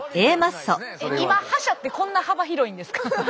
今覇者ってこんな幅広いんですか？